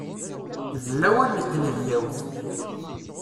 D lawan n tnedyawt.